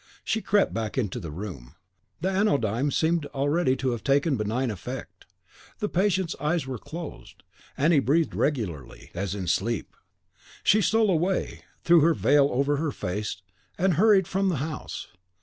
She crept back into the room, the anodyne seemed already to have taken benign effect; the patient's eyes were closed, and he breathed regularly, as in sleep. She stole away, threw her veil over her face, and hurried from the house.